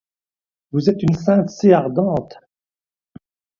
Vous êtes une sainte si ardente !